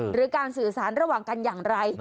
หรือการสื่อสารระหว่างกันอย่างไร